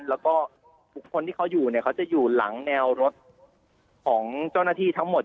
แล้วก็บุคคลที่เขาอยู่เนี่ยเขาจะอยู่หลังแนวรถของเจ้าหน้าที่ทั้งหมด